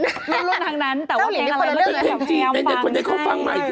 เจ้าหลินทั้งนั้นแต่ว่าแปลงอะไร